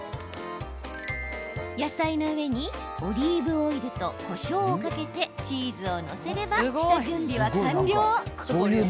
野菜の上にオリーブオイルとこしょうをかけてチーズを載せれば下準備は完了。